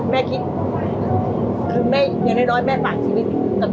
แม่คิดอย่างน้อยแม่ฝากชีวิตเอง